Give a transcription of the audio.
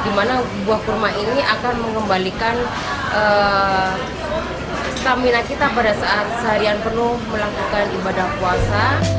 dimana buah kurma ini akan mengembalikan stamina kita pada saat seharian penuh melakukan ibadah puasa